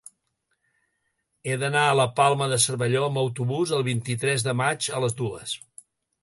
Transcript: He d'anar a la Palma de Cervelló amb autobús el vint-i-tres de maig a les dues.